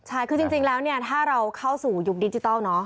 ใช่คือจริงแล้วเนี่ยถ้าเราเข้าสู่ยุคดิจิทัล